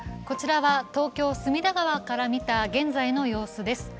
こちらは東京・隅田川から見た現在の様子です。